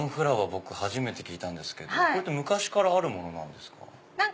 僕初めて聞いたんですけど昔からあるものなんですか？